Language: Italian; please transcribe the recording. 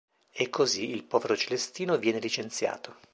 E così il povero Celestino viene licenziato.